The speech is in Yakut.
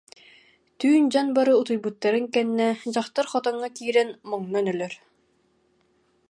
Түүн дьон бары утуйбуттарын кэннэ, дьахтар хотоҥҥо киирэн моҥнон өлөр